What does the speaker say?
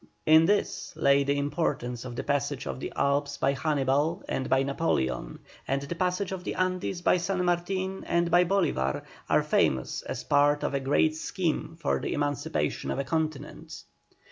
In this lay the importance of the passage of the Alps by Hannibal and by Napoleon; and the passage of the Andes by San Martin and by Bolívar, are famous as parts of a great scheme for the emancipation of a continent.